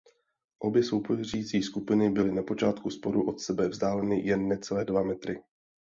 Obě soupeřící skupiny byly na počátku sporu od sebe vzdáleny jen necelé dva metry.